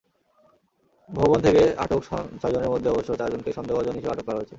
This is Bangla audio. ভবন থেকে আটক ছয়জনের মধ্যে অবশ্য চারজনকে সন্দেহভাজন হিসেবে আটক করা হয়েছে।